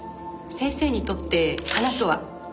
先生にとって花とは？